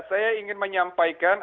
saya ingin menyampaikan